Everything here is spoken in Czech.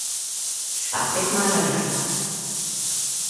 Svátek má Radoslav.